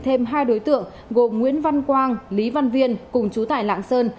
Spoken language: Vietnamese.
thêm hai đối tượng gồm nguyễn văn quang lý văn viên cùng chú tại lạng sơn